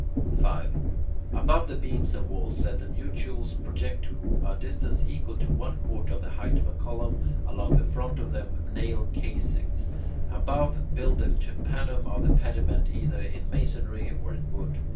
5. Above the beams and walls let the mutules project to a distance equal to one quarter of the height of a column; along the front of them nail casings; above, build the tympanum of the pediment either in masonry or in wood.